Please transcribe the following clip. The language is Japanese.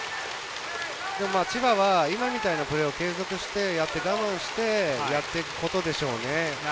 千葉は今みたいなプレーを継続して、我慢してやっていくことでしょうね。